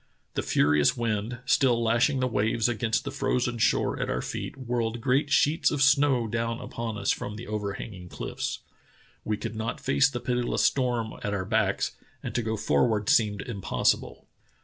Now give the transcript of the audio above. The furious wind, still lashing the waves against the frozen shore at our feet, whirled great sheets of snow down upon us from the overhanging cliffs. We could not face the pitiless storm at our backs, and to go for ward seemed impossible.